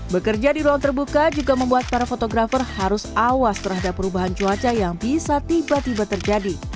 bekerja di ruang terbuka juga membuat para fotografer harus awas terhadap perubahan cuaca yang bisa tiba tiba terjadi